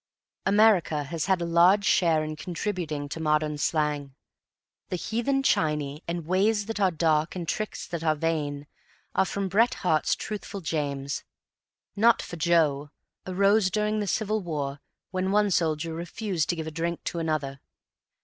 America has had a large share in contributing to modern slang. "The heathen Chinee," and "Ways that are dark, and tricks that are vain," are from Bret Harte's Truthful James. "Not for Joe," arose during the Civil War when one soldier refused to give a drink to another.